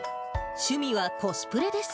趣味はコスプレです。